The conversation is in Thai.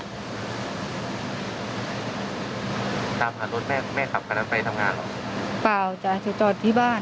ตามหารถแม่แม่ขับคันนั้นไปทำงานเหรอเปล่าจ้ะจะจอดที่บ้าน